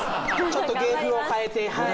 ちょっと芸風を変えて。